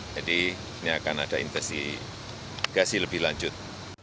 jadi ini akan ada intensi kasih lebih lanjut